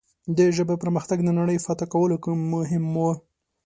د ژبې پرمختګ د نړۍ فتح کولو کې مهم و.